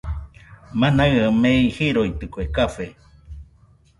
Manaɨa mei jiroitɨkue café